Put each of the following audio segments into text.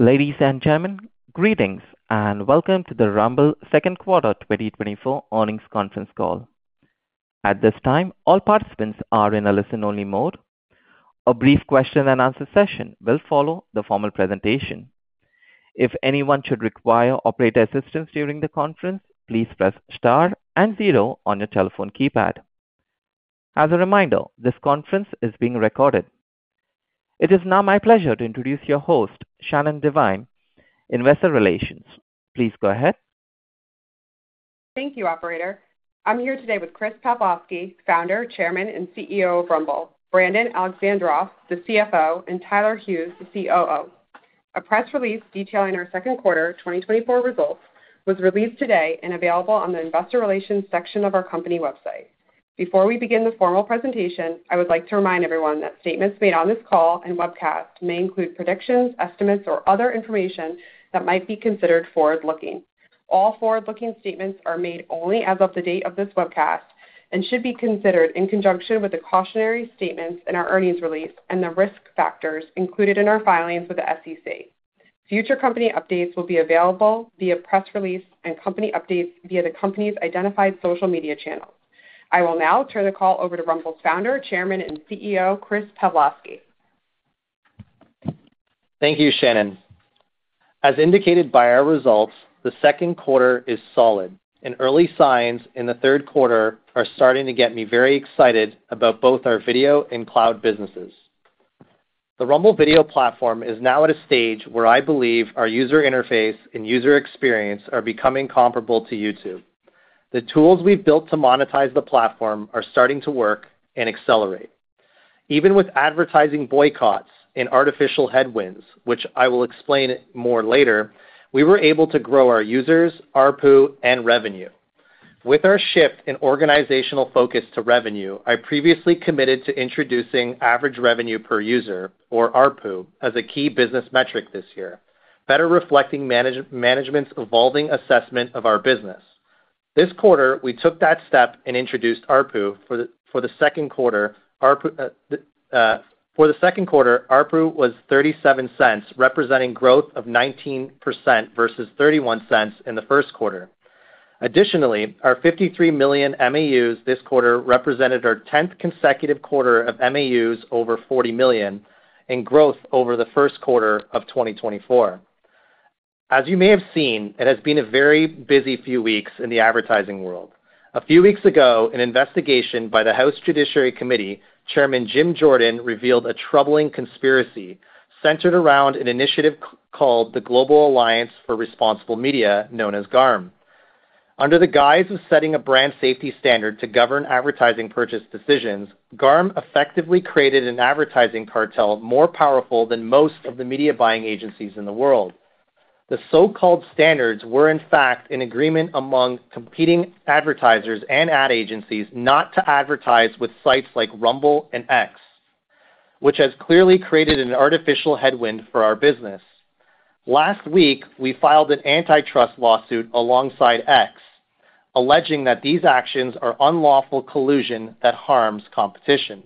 Ladies and gentlemen, greetings, and welcome to the Rumble Second Quarter 2024 earnings conference call. At this time, all participants are in a listen-only mode. A brief question and answer session will follow the formal presentation. If anyone should require operator assistance during the conference, please press star and zero on your telephone keypad. As a reminder, this conference is being recorded. It is now my pleasure to introduce your host, Shannon Devine, Investor Relations. Please go ahead. Thank you, operator. I'm here today with Chris Pavlovski, Founder, Chairman, and CEO of Rumble, Brandon Alexandroff, the CFO, and Tyler Hughes, the COO. A press release detailing our second quarter 2024 results was released today and available on the investor relations section of our company website. Before we begin the formal presentation, I would like to remind everyone that statements made on this call and webcast may include predictions, estimates, or other information that might be considered forward-looking. All forward-looking statements are made only as of the date of this webcast and should be considered in conjunction with the cautionary statements in our earnings release and the risk factors included in our filings with the SEC. Future company updates will be available via press release and company updates via the company's identified social media channels. I will now turn the call over to Rumble's Founder, Chairman, and CEO, Chris Pavlovski. Thank you, Shannon. As indicated by our results, the second quarter is solid, and early signs in the third quarter are starting to get me very excited about both our video and cloud businesses. The Rumble video platform is now at a stage where I believe our user interface and user experience are becoming comparable to YouTube. The tools we've built to monetize the platform are starting to work and accelerate. Even with advertising boycotts and artificial headwinds, which I will explain more later, we were able to grow our users, ARPU, and revenue. With our shift in organizational focus to revenue, I previously committed to introducing average revenue per user, or ARPU, as a key business metric this year, better reflecting management's evolving assessment of our business. This quarter, we took that step and introduced ARPU for the second quarter. ARPU for the second quarter, ARPU was $0.37, representing growth of 19% versus $0.31 in the first quarter. Additionally, our 53 million MAUs this quarter represented our 10th consecutive quarter of MAUs over 40 million, and growth over the first quarter of 2024. As you may have seen, it has been a very busy few weeks in the advertising world. A few weeks ago, an investigation by the House Judiciary Committee, Chairman Jim Jordan, revealed a troubling conspiracy centered around an initiative called the Global Alliance for Responsible Media, known as GARM. Under the guise of setting a brand safety standard to govern advertising purchase decisions, GARM effectively created an advertising cartel more powerful than most of the media buying agencies in the world. The so-called standards were, in fact, an agreement among competing advertisers and ad agencies not to advertise with sites like Rumble and X, which has clearly created an artificial headwind for our business. Last week, we filed an antitrust lawsuit alongside X, alleging that these actions are unlawful collusion that harms competition.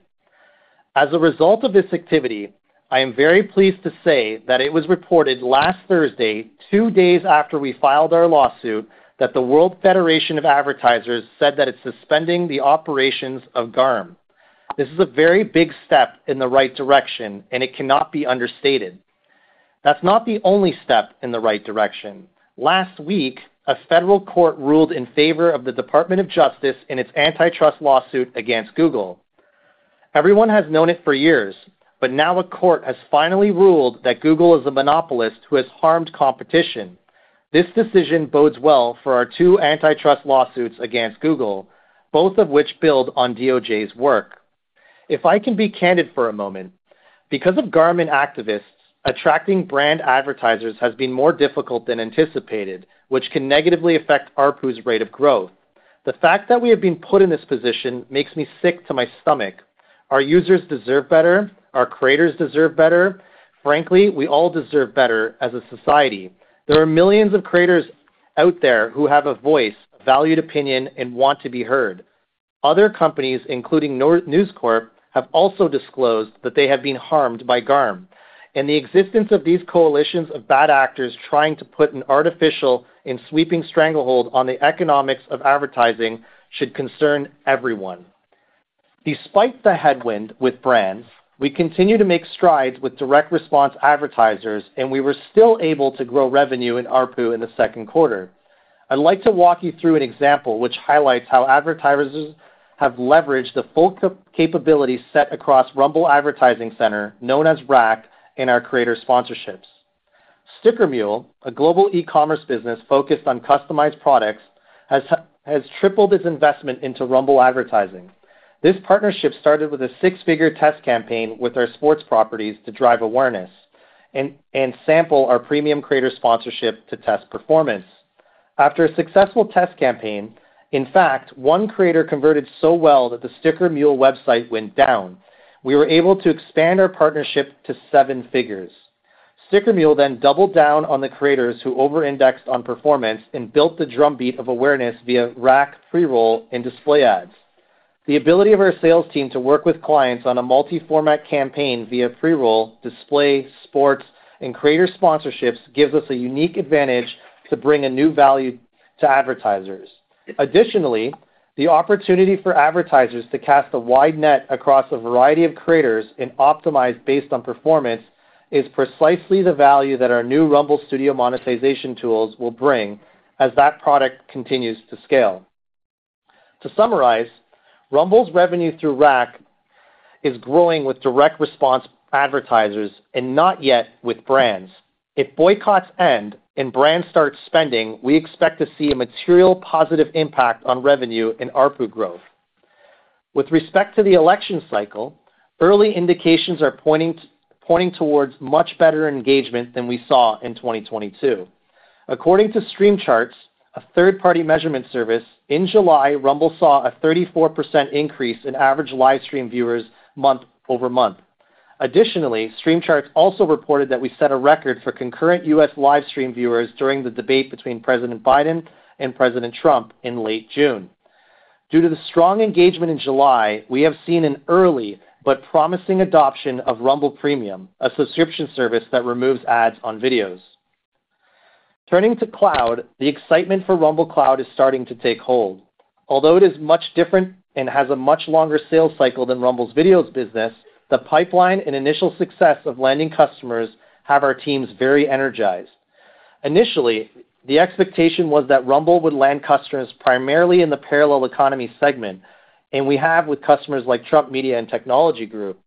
As a result of this activity, I am very pleased to say that it was reported last Thursday, two days after we filed our lawsuit, that the World Federation of Advertisers said that it's suspending the operations of GARM. This is a very big step in the right direction, and it cannot be understated. That's not the only step in the right direction. Last week, a federal court ruled in favor of the Department of Justice in its antitrust lawsuit against Google. Everyone has known it for years, but now a court has finally ruled that Google is a monopolist who has harmed competition. This decision bodes well for our two antitrust lawsuits against Google, both of which build on DOJ's work. If I can be candid for a moment, because of GARM and activists, attracting brand advertisers has been more difficult than anticipated, which can negatively affect ARPU's rate of growth. The fact that we have been put in this position makes me sick to my stomach. Our users deserve better. Our creators deserve better. Frankly, we all deserve better as a society. There are millions of creators out there who have a voice, a valued opinion, and want to be heard. Other companies, including News Corp, have also disclosed that they have been harmed by GARM, and the existence of these coalitions of bad actors trying to put an artificial and sweeping stranglehold on the economics of advertising should concern everyone. Despite the headwind with brands, we continue to make strides with direct response advertisers, and we were still able to grow revenue and ARPU in the second quarter. I'd like to walk you through an example which highlights how advertisers have leveraged the full capabilities set across Rumble Advertising Center, known as RAC, and our creator sponsorships. Sticker Mule, a global e-commerce business focused on customized products, has tripled its investment into Rumble advertising. This partnership started with a six-figure test campaign with our sports properties to drive awareness and sample our premium creator sponsorship to test performance. After a successful test campaign, in fact, one creator converted so well that the Sticker Mule website went down. We were able to expand our partnership to seven figures. Sticker Mule then doubled down on the creators who over-indexed on performance and built the drumbeat of awareness via RAC, pre-roll, and display ads. The ability of our sales team to work with clients on a multi-format campaign via pre-roll, display, sports, and creator sponsorships gives us a unique advantage to bring a new value to advertisers. Additionally, the opportunity for advertisers to cast a wide net across a variety of creators and optimize based on performance is precisely the value that our new Rumble Studio monetization tools will bring as that product continues to scale. To summarize, Rumble's revenue through RAC is growing with direct response advertisers and not yet with brands. If boycotts end and brands start spending, we expect to see a material positive impact on revenue and ARPU growth. With respect to the election cycle, early indications are pointing towards much better engagement than we saw in 2022. According to Streams Charts, a third-party measurement service, in July, Rumble saw a 34% increase in average live stream viewers month-over-month. Additionally, Streams Charts also reported that we set a record for concurrent U.S. live stream viewers during the debate between President Biden and President Trump in late June. Due to the strong engagement in July, we have seen an early but promising adoption of Rumble Premium, a subscription service that removes ads on videos. Turning to cloud, the excitement for Rumble Cloud is starting to take hold. Although it is much different and has a much longer sales cycle than Rumble's videos business, the pipeline and initial success of landing customers have our teams very energized. Initially, the expectation was that Rumble would land customers primarily in the parallel economy segment, and we have with customers like Trump Media & Technology Group.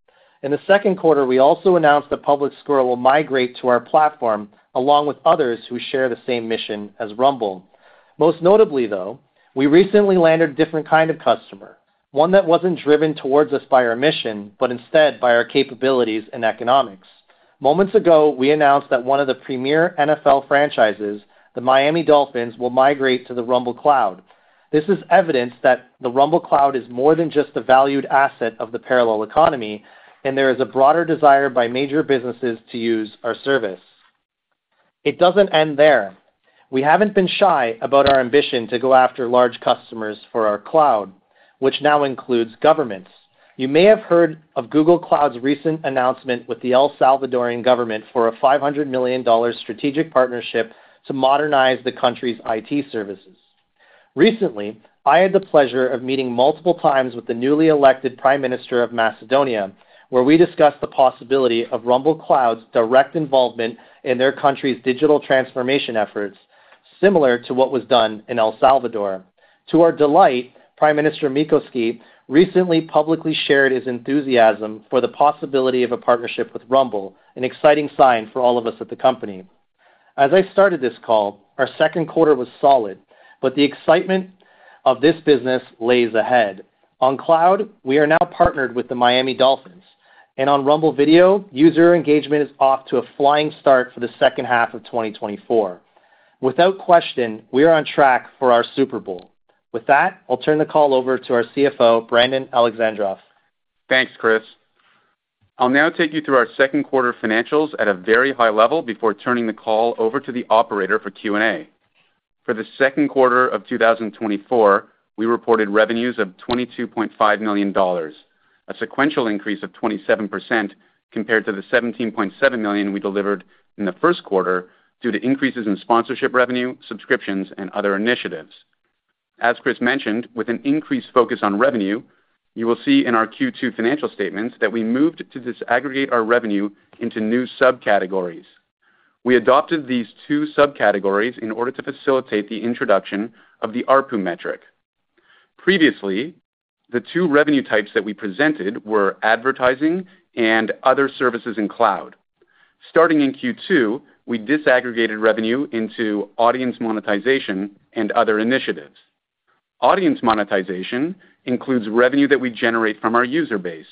In the second quarter, we also announced that PublicSquare will migrate to our platform, along with others who share the same mission as Rumble. Most notably, though, we recently landed a different kind of customer, one that wasn't driven towards us by our mission, but instead by our capabilities and economics. Moments ago, we announced that one of the premier NFL franchises, the Miami Dolphins, will migrate to the Rumble Cloud. This is evidence that the Rumble Cloud is more than just a valued asset of the parallel economy, and there is a broader desire by major businesses to use our service. It doesn't end there. We haven't been shy about our ambition to go after large customers for our cloud, which now includes governments. You may have heard of Google Cloud's recent announcement with the Salvadoran government for a $500 million strategic partnership to modernize the country's IT services. Recently, I had the pleasure of meeting multiple times with the newly elected Prime Minister of North Macedonia, where we discussed the possibility of Rumble Cloud's direct involvement in their country's digital transformation efforts, similar to what was done in El Salvador. To our delight, Prime Minister Hristijan Mickoski recently publicly shared his enthusiasm for the possibility of a partnership with Rumble, an exciting sign for all of us at the company. As I started this call, our second quarter was solid, but the excitement of this business lays ahead. On cloud, we are now partnered with the Miami Dolphins, and on Rumble Video, user engagement is off to a flying start for the second half of 2024. Without question, we are on track for our Super Bowl. With that, I'll turn the call over to our CFO, Brandon Alexandroff. Thanks, Chris. I'll now take you through our second quarter financials at a very high level before turning the call over to the operator for Q&A. For the second quarter of 2024, we reported revenues of $22.5 million, a sequential increase of 27% compared to the $17.7 million we delivered in the first quarter due to increases in sponsorship revenue, subscriptions, and other initiatives. As Chris mentioned, with an increased focus on revenue, you will see in our Q2 financial statements that we moved to disaggregate our revenue into new subcategories. We adopted these two subcategories in order to facilitate the introduction of the ARPU metric. Previously, the two revenue types that we presented were advertising and other services in cloud. Starting in Q2, we disaggregated revenue into audience monetization and other initiatives. Audience monetization includes revenue that we generate from our user base,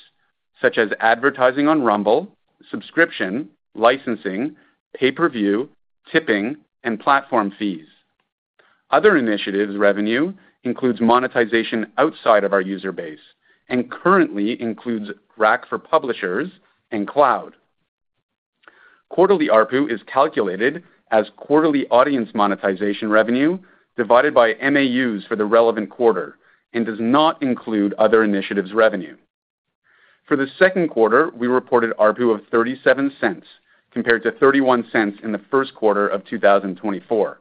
such as advertising on Rumble, subscription, licensing, pay-per-view, tipping, and platform fees. Other initiatives revenue includes monetization outside of our user base and currently includes RAC for Publishers and Cloud. Quarterly ARPU is calculated as quarterly audience monetization revenue divided by MAUs for the relevant quarter and does not include other initiatives revenue. For the second quarter, we reported ARPU of $0.37, compared to $0.31 in the first quarter of 2024.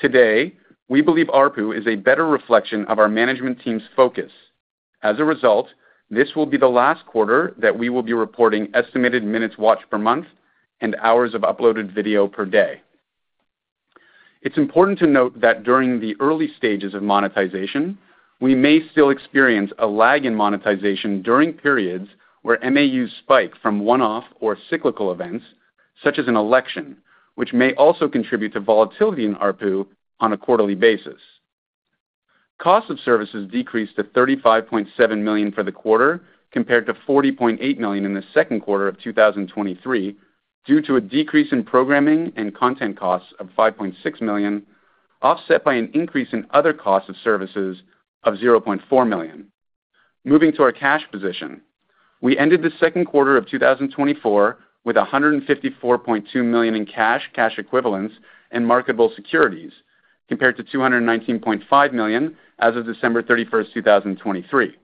Today, we believe ARPU is a better reflection of our management team's focus. As a result, this will be the last quarter that we will be reporting estimated minutes watched per month and hours of uploaded video per day. It's important to note that during the early stages of monetization, we may still experience a lag in monetization during periods where MAUs spike from one-off or cyclical events, such as an election, which may also contribute to volatility in ARPU on a quarterly basis. Cost of services decreased to $35.7 million for the quarter, compared to $40.8 million in the second quarter of 2023, due to a decrease in programming and content costs of $5.6 million, offset by an increase in other costs of services of $0.4 million. Moving to our cash position. We ended the second quarter of 2024 with $154.2 million in cash, cash equivalents, and marketable securities, compared to $219.5 million as of December 31, 2023.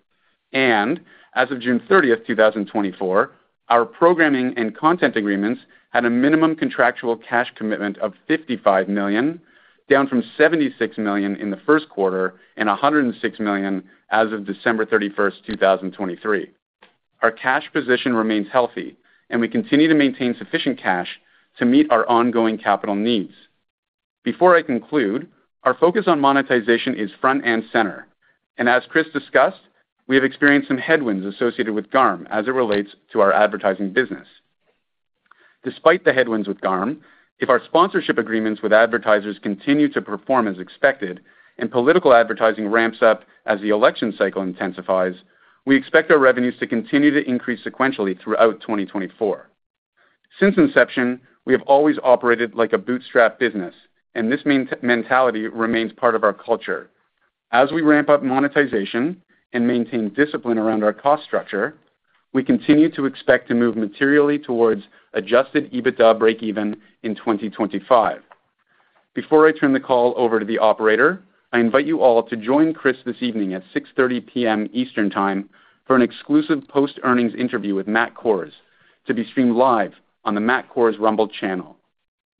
As of June 30, 2024, our programming and content agreements had a minimum contractual cash commitment of $55 million, down from $76 million in the first quarter and $106 million as of December 31, 2023. Our cash position remains healthy, and we continue to maintain sufficient cash to meet our ongoing capital needs. Before I conclude, our focus on monetization is front and center, and as Chris discussed, we have experienced some headwinds associated with GARM as it relates to our advertising business. Despite the headwinds with GARM, if our sponsorship agreements with advertisers continue to perform as expected and political advertising ramps up as the election cycle intensifies, we expect our revenues to continue to increase sequentially throughout 2024. Since inception, we have always operated like a bootstrap business, and this mentality remains part of our culture. As we ramp up monetization and maintain discipline around our cost structure, we continue to expect to move materially towards Adjusted EBITDA breakeven in 2025. Before I turn the call over to the operator, I invite you all to join Chris this evening at 6:30 P.M. Eastern Time for an exclusive post-earnings interview with Matt Kohrs, to be streamed live on the Matt Kohrs Rumble channel.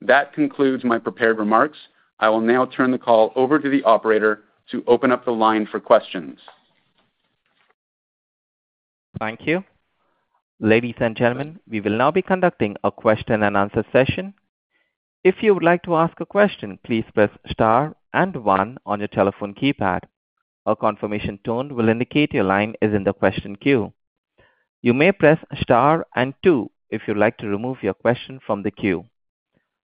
That concludes my prepared remarks. I will now turn the call over to the operator to open up the line for questions. Thank you. Ladies and gentlemen, we will now be conducting a question and answer session. If you would like to ask a question, please press star and one on your telephone keypad. A confirmation tone will indicate your line is in the question queue. You may press star and two if you'd like to remove your question from the queue.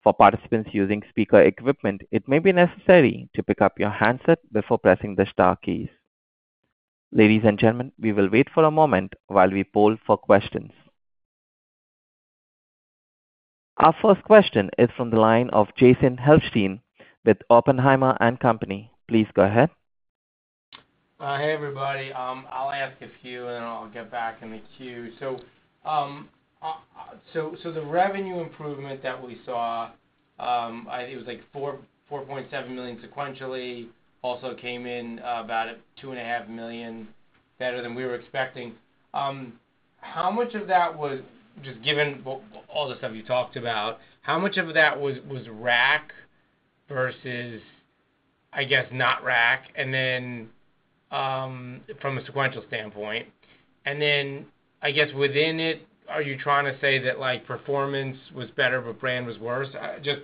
For participants using speaker equipment, it may be necessary to pick up your handset before pressing the star keys. Ladies and gentlemen, we will wait for a moment while we poll for questions. Our first question is from the line of Jason Helfstein with Oppenheimer & Co. Please go ahead. Hey, everybody. I'll ask a few, and then I'll get back in the queue. So, the revenue improvement that we saw, I think it was like $4.7 million sequentially, also came in about $2.5 million better than we were expecting. How much of that was just given all the stuff you talked about, how much of that was RAC versus, I guess, not RAC? And then, from a sequential standpoint, and then I guess within it, are you trying to say that, like, performance was better, but brand was worse? Just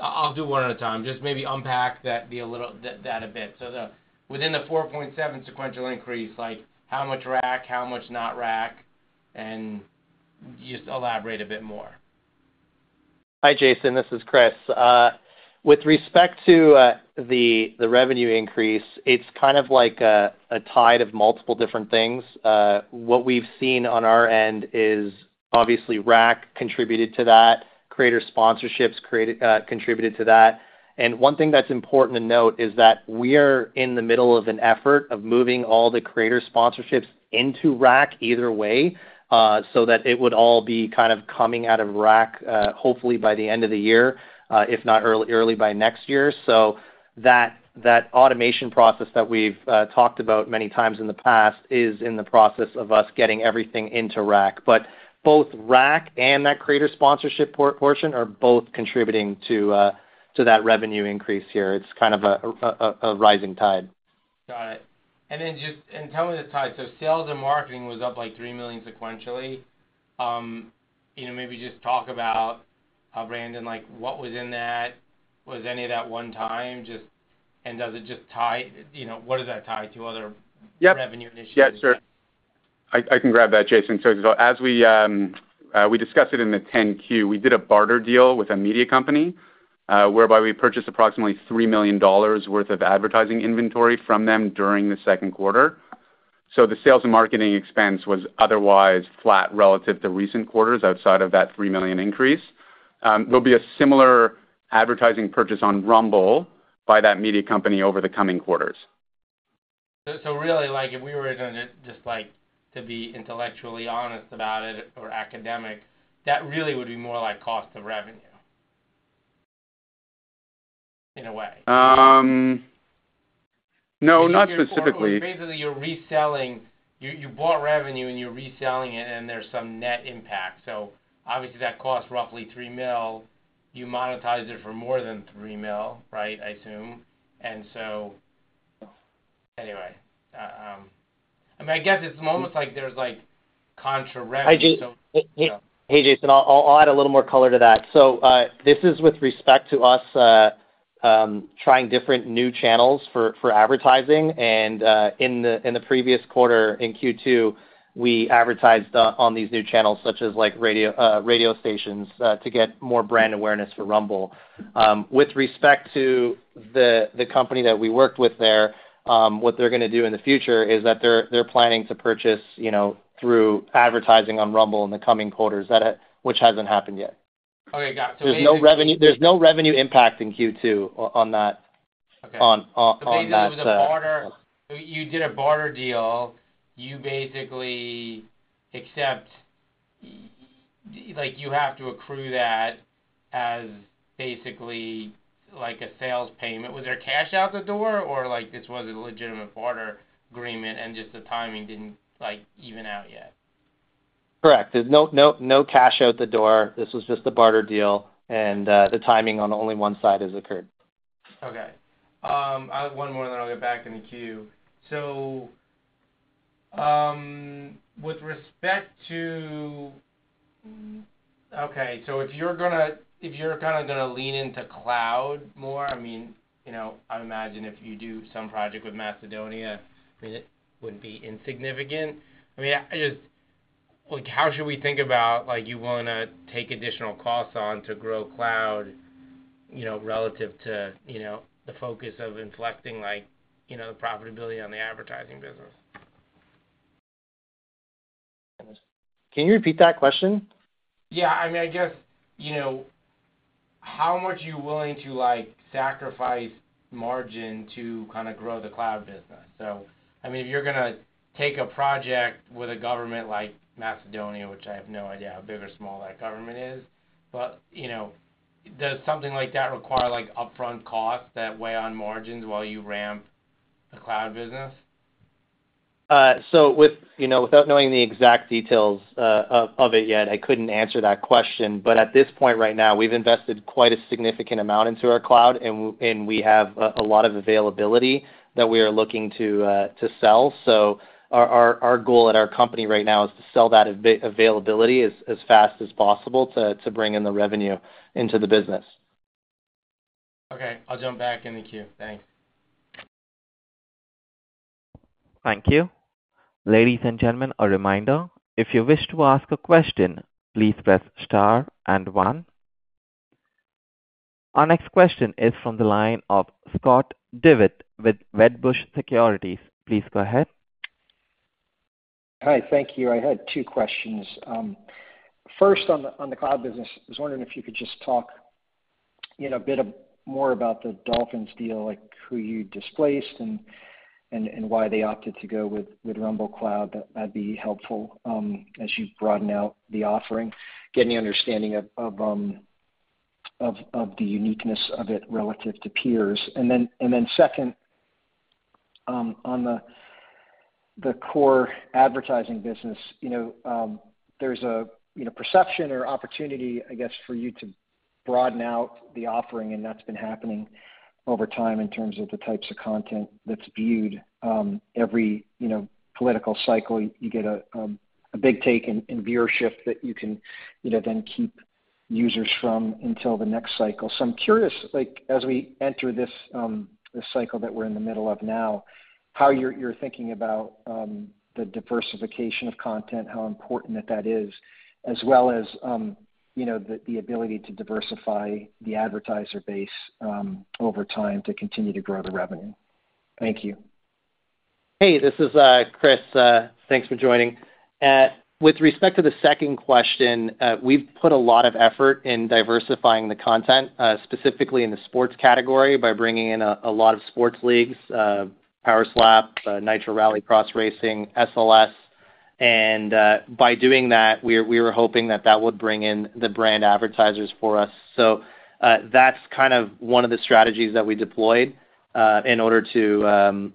I'll do one at a time. Just maybe unpack that a little, that a bit. So within the 4.7 sequential increase, like how much RAC, how much not RAC, and just elaborate a bit more. Hi, Jason. This is Chris. With respect to the revenue increase, it's kind of like a tide of multiple different things. What we've seen on our end is obviously RAC contributed to that, creator sponsorships contributed to that. And one thing that's important to note is that we are in the middle of an effort of moving all the creator sponsorships into RAC either way, so that it would all be kind of coming out of RAC, hopefully by the end of the year, if not early by next year. So that automation process that we've talked about many times in the past is in the process of us getting everything into RAC. But both RAC and that creator sponsorship portion are both contributing to that revenue increase here. It's kind of a rising tide. Got it. And then just tell me the tie. So sales and marketing was up, like, $3 million sequentially. You know, maybe just talk about, Brandon, like, what was in that? Was any of that one time? Just, and does it just tie? You know, what does that tie to other- Yep. -revenue initiatives? Yeah, sure. I can grab that, Jason. So as we discussed it in the 10-Q, we did a barter deal with a media company, whereby we purchased approximately $3 million worth of advertising inventory from them during the second quarter. So the sales and marketing expense was otherwise flat relative to recent quarters outside of that $3 million increase. There'll be a similar advertising purchase on Rumble by that media company over the coming quarters. So really, like, if we were gonna just like to be intellectually honest about it or academic, that really would be more like cost of revenue, in a way. No, not specifically. Basically, you're reselling—you bought revenue, and you're reselling it, and there's some net impact. So obviously, that costs roughly $3 million. You monetize it for more than $3 million, right? I assume. And so, anyway, I mean, I guess it's almost like there's, like, contra revenue, so- Hey, Jason, I'll add a little more color to that. So, this is with respect to us trying different new channels for advertising, and in the previous quarter, in Q2, we advertised on these new channels, such as like radio, radio stations, to get more brand awareness for Rumble. With respect to the company that we worked with there, what they're gonna do in the future is that they're planning to purchase, you know, through advertising on Rumble in the coming quarters, that. Which hasn't happened yet. Oh, yeah. Got it. There's no revenue, there's no revenue impact in Q2 on that. Okay. So basically it was a barter. So you did a barter deal, you basically accept, like, you have to accrue that as basically like a sales payment. Was there cash out the door or like this was a legitimate barter agreement and just the timing didn't, like, even out yet? Correct. There's no, no, no cash out the door. This was just a barter deal, and the timing on only one side has occurred. Okay. I have one more, then I'll get back in the queue. So, with respect to, okay, so if you're kinda gonna lean into cloud more, I mean, you know, I would imagine if you do some project with Macedonia, I mean, it would be insignificant. I mean, just, like, how should we think about, like, you wanna take additional costs on to grow cloud, you know, relative to, you know, the focus of inflecting, like, you know, the profitability on the advertising business? Can you repeat that question? Yeah, I mean, I guess, you know, how much are you willing to, like, sacrifice margin to kind of grow the cloud business? So, I mean, if you're gonna take a project with a government like North Macedonia, which I have no idea how big or small that government is, but, you know, does something like that require, like, upfront costs that weigh on margins while you ramp the cloud business? So with, you know, without knowing the exact details of it yet, I couldn't answer that question. But at this point, right now, we've invested quite a significant amount into our cloud, and we have a lot of availability that we are looking to sell. So our goal at our company right now is to sell that availability as fast as possible to bring in the revenue into the business. Okay. I'll jump back in the queue. Thanks. Thank you. Ladies and gentlemen, a reminder, if you wish to ask a question, please press star and one. Our next question is from the line of Scott Devitt with Wedbush Securities. Please go ahead. Hi, thank you. I had two questions. First, on the cloud business, I was wondering if you could just talk, you know, a bit more about the Dolphins deal, like who you displaced and why they opted to go with Rumble Cloud. That'd be helpful as you broaden out the offering, get an understanding of the uniqueness of it relative to peers. And then second, on the core advertising business, you know, there's a perception or opportunity, I guess, for you to broaden out the offering, and that's been happening over time in terms of the types of content that's viewed. Every, you know, political cycle, you get a big intake in viewer shift that you can, you know, then keep users from until the next cycle. So I'm curious, like, as we enter this cycle that we're in the middle of now, how you're thinking about the diversification of content, how important that that is, as well as, you know, the ability to diversify the advertiser base over time to continue to grow the revenue. Thank you. Hey, this is Chris. Thanks for joining. With respect to the second question, we've put a lot of effort in diversifying the content, specifically in the sports category, by bringing in a lot of sports leagues, Power Slap, Nitrocross, SLS. By doing that, we were hoping that that would bring in the brand advertisers for us. So, that's kind of one of the strategies that we deployed in order to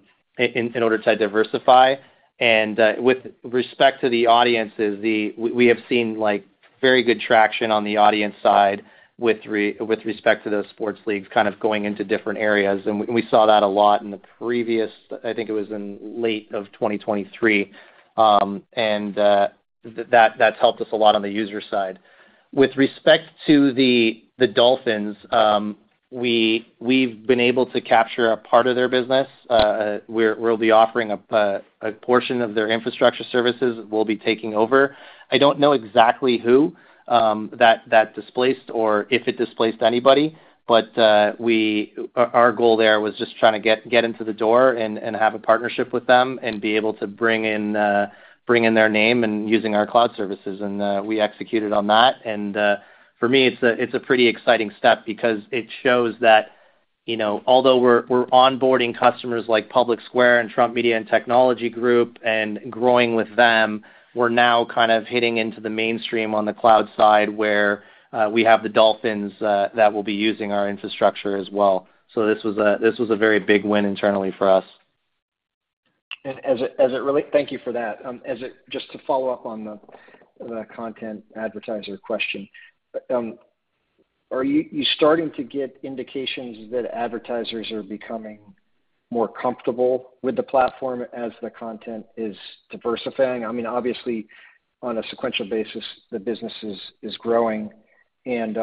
diversify. With respect to the audiences, we have seen, like, very good traction on the audience side with respect to those sports leagues, kind of going into different areas. We saw that a lot in the previous, I think it was in late 2023. That's helped us a lot on the user side. With respect to the Dolphins, we've been able to capture a part of their business. We'll be offering a portion of their infrastructure services we'll be taking over. I don't know exactly who that displaced or if it displaced anybody, but our goal there was just trying to get into the door and have a partnership with them and be able to bring in their name in using our cloud services, and we executed on that. For me, it's a, it's a pretty exciting step because it shows that, you know, although we're, we're onboarding customers like PublicSquare and Trump Media & Technology Group and growing with them, we're now kind of hitting into the mainstream on the cloud side, where we have the Miami Dolphins that will be using our infrastructure as well. So this was a, this was a very big win internally for us. Thank you for that. Just to follow up on the content advertiser question, are you starting to get indications that advertisers are becoming more comfortable with the platform as the content is diversifying? I mean, obviously, on a sequential basis, the business is growing. And,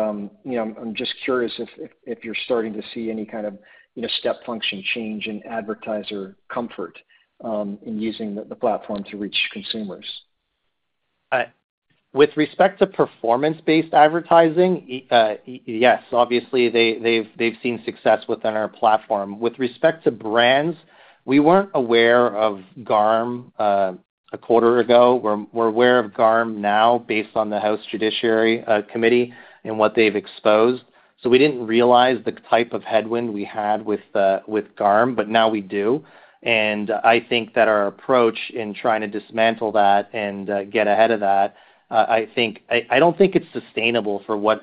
you know, I'm just curious if you're starting to see any kind of step function change in advertiser comfort in using the platform to reach consumers. With respect to performance-based advertising, yes, obviously, they've seen success within our platform. With respect to brands. We weren't aware of GARM a quarter ago. We're aware of GARM now based on the House Judiciary Committee and what they've exposed. So we didn't realize the type of headwind we had with GARM, but now we do. And I think that our approach in trying to dismantle that and get ahead of that, I think I don't think it's sustainable for what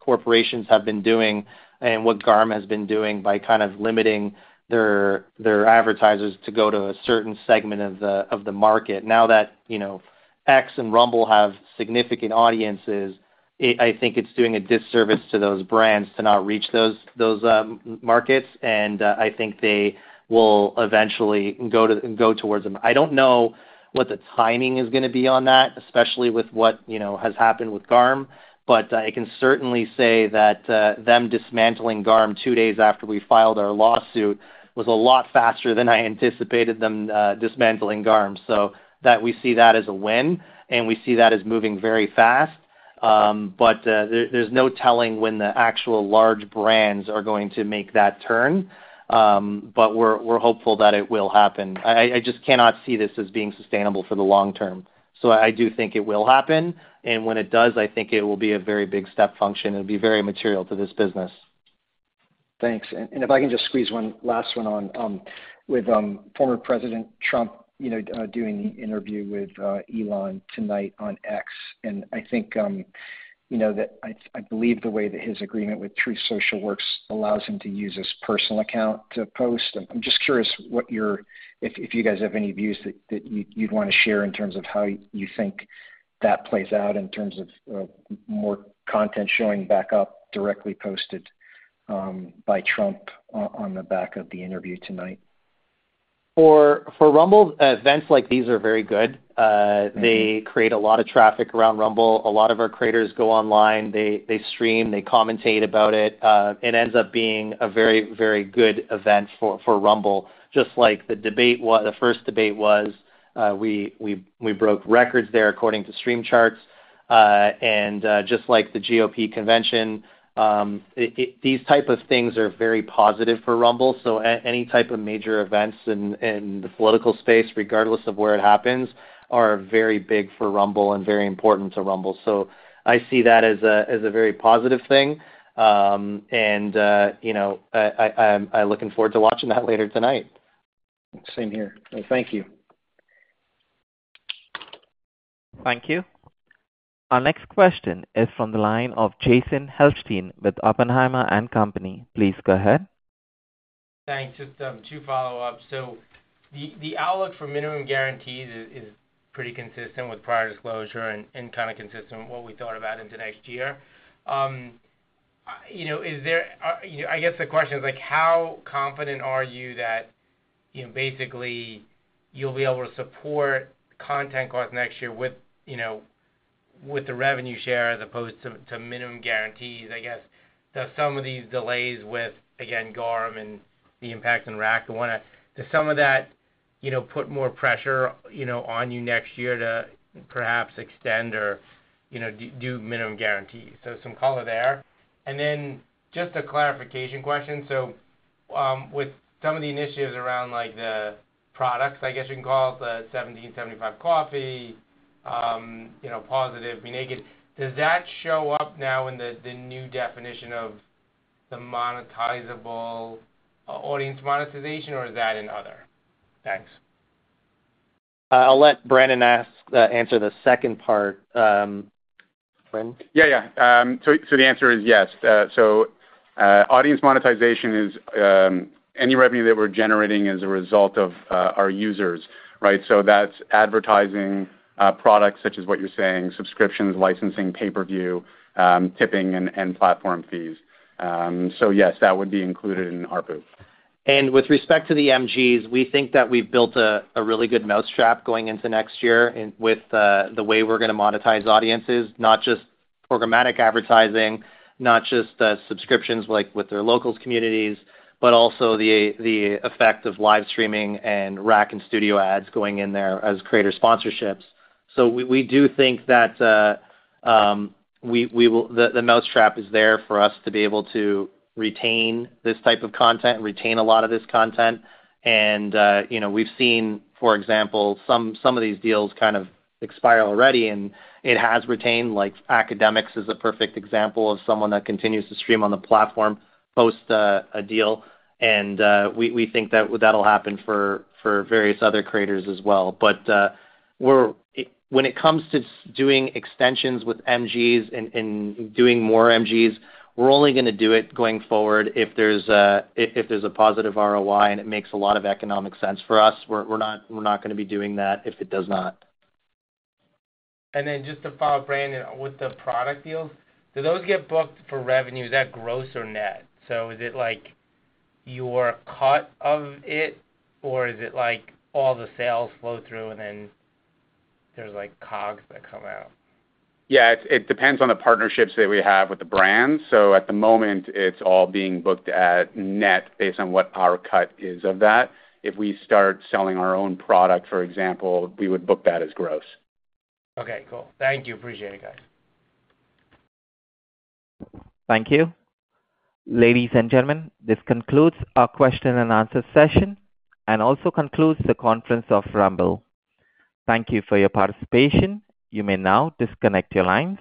corporations have been doing and what GARM has been doing by kind of limiting their advertisers to go to a certain segment of the market. Now that, you know, X and Rumble have significant audiences, it. I think it's doing a disservice to those brands to not reach those markets, and I think they will eventually go towards them. I don't know what the timing is gonna be on that, especially with what, you know, has happened with GARM, but I can certainly say that them dismantling GARM two days after we filed our lawsuit was a lot faster than I anticipated them dismantling GARM. So that we see that as a win, and we see that as moving very fast. But there's no telling when the actual large brands are going to make that turn. But we're hopeful that it will happen. I just cannot see this as being sustainable for the long term. I do think it will happen, and when it does, I think it will be a very big step function and be very material to this business. Thanks. And if I can just squeeze one last one on, with former President Trump, you know, doing the interview with Elon tonight on X. And I think, you know, that I believe the way that his agreement with Truth Social works allows him to use his personal account to post. I'm just curious what your. If you guys have any views that you you'd wanna share in terms of how you think that plays out in terms of more content showing back up directly posted by Trump on the back of the interview tonight. For Rumble, events like these are very good. They create a lot of traffic around Rumble. A lot of our creators go online, they stream, they commentate about it. It ends up being a very, very good event for Rumble. Just like the debate, the first debate was, we broke records there according to Streams Charts. And just like the GOP convention, it. These type of things are very positive for Rumble. So any type of major events in the political space, regardless of where it happens, are very big for Rumble and very important to Rumble. So I see that as a very positive thing. And you know, I'm looking forward to watching that later tonight. Same here. Thank you. Thank you. Our next question is from the line of Jason Helfstein with Oppenheimer & Co. Please go ahead. Thanks. Just two follow-ups. So the outlook for minimum guarantees is pretty consistent with prior disclosure and kind of consistent with what we thought about into next year. You know, I guess the question is like, how confident are you that, you know, basically you'll be able to support content costs next year with, you know, with the revenue share as opposed to minimum guarantees, I guess? So some of these delays with, again, GARM and the impact on RAC. I wanna. Does some of that, you know, put more pressure, you know, on you next year to perhaps extend or, you know, do minimum guarantees? So some color there. And then just a clarification question: so, with some of the initiatives around, like, the products, I guess you can call it, the 1775 Coffee, you know, Pawsitive, Be Naked, does that show up now in the, the new definition of the monetizable audience monetization, or is that in other? Thanks. I'll let Brandon answer the second part, Brandon? Yeah, yeah. So, so the answer is yes. So, audience monetization is any revenue that we're generating as a result of our users, right? So that's advertising, products, such as what you're saying, subscriptions, licensing, pay-per-view, tipping, and platform fees. So yes, that would be included in ARPU. With respect to the MGs, we think that we've built a really good mousetrap going into next year with the way we're gonna monetize audiences, not just programmatic advertising, not just the subscriptions, like with their locals communities, but also the effect of live streaming and RAC and Studio ads going in there as creator sponsorships. We do think that the mousetrap is there for us to be able to retain this type of content, retain a lot of this content. You know, we've seen, for example, some of these deals kind of expire already, and it has retained, like, academics is a perfect example of someone that continues to stream on the platform, post a deal. We think that that'll happen for various other creators as well. But, when it comes to doing extensions with MGs and doing more MGs, we're only gonna do it going forward if there's a positive ROI and it makes a lot of economic sense for us. We're not gonna be doing that if it does not. And then just to follow up, Brandon, with the product deals, do those get booked for revenue? Is that gross or net? So is it like your cut of it, or is it like all the sales flow through, and then there's, like, cogs that come out? Yeah, it depends on the partnerships that we have with the brands. So at the moment, it's all being booked at net based on what our cut is of that. If we start selling our own product, for example, we would book that as gross. Okay, cool. Thank you. Appreciate it, guys. Thank you. Ladies and gentlemen, this concludes our question and answer session and also concludes the conference of Rumble. Thank you for your participation. You may now disconnect your lines.